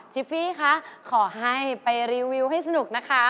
ฟี่คะขอให้ไปรีวิวให้สนุกนะคะ